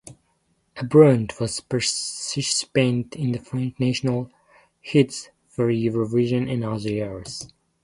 Aubret was a participant in the French national heats for Eurovision in other years.